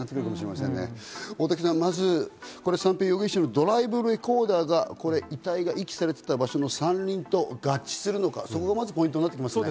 大竹さん、三瓶容疑者のドライブレコーダーが遺体が遺棄されていた場所の山林と合致するのか、そこポイントになってきますね。